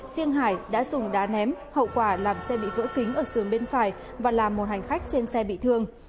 riêng hải đã dùng đá ném hậu quả làm xe bị vỡ kính ở sườn bên phải và làm một hành khách trên xe bị thương